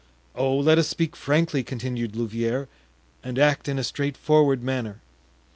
"Oh! let us speak frankly," continued Louvieres, "and act in a straightforward manner.